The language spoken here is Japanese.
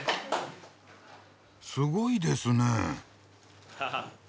すごいですねえ。